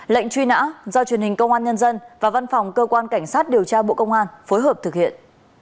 lệnh truy nã do truyền hình công an nhân dân và văn phòng cơ quan cảnh sát điều tra bộ công an phối hợp thực hiện